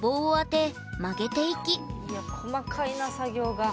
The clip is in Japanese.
いや細かいな作業が。